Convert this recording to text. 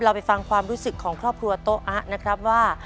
ไปฟังความรู้สึกของครอบครัวโต๊ะอะนะครับว่า